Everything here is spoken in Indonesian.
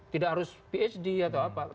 tidak harus phd atau apa